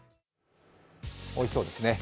おいしそうですね。